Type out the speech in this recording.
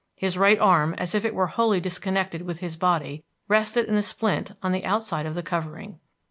His right arm, as if it were wholly disconnected with his body, rested in a splint on the outside of the covering.